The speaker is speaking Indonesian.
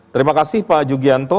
terima kasih pak jugianto